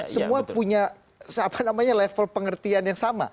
semua punya level pengertian yang sama